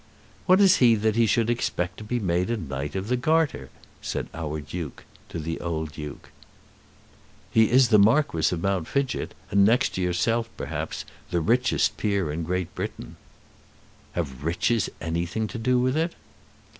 "What is he that he should expect to be made a Knight of the Garter?" said our Duke to the old Duke. "He is the Marquis of Mount Fidgett, and next to yourself, perhaps, the richest peer of Great Britain." "Have riches anything to do with it?"